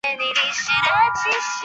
胼足蝠属等之数种哺乳动物。